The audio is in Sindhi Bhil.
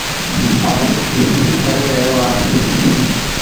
آئوٚنٚ ڪيٚ ڪري رهيو اهآنٚ